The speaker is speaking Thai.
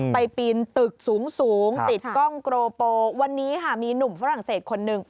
ปีนตึกสูงสูงติดกล้องโกรโปวันนี้ค่ะมีหนุ่มฝรั่งเศสคนหนึ่ง